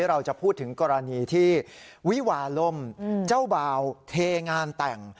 เราจะพูดถึงกรณีที่วิวาลมเจ้าบ่าวเทงานแต่ง